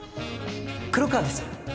黒川です